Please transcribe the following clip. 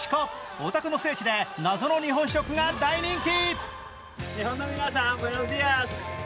オタクの聖地で謎の日本食が大人気。